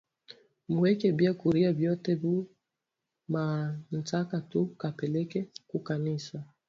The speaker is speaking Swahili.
Mu weke bia kuria biote mu ma nsaka tu ka peleke ku kanisa